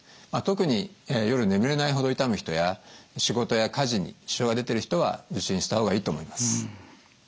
特に夜眠れないほど痛む人や仕事や家事に支障が出てる人は受診した方がいいと思います。